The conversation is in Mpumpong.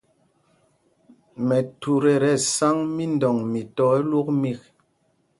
Mɛthut ɛ́ tí ɛsáŋ mídɔŋ mi tɔ̄ ɛlwók mîk.